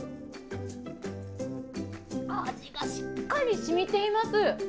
味がしっかり染みています。